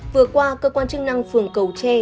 vừa qua cơ quan chức năng phường cầu tre